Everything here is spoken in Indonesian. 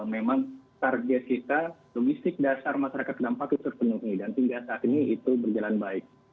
memang target kita logistik dasar masyarakat terdampak itu terpenuhi dan hingga saat ini itu berjalan baik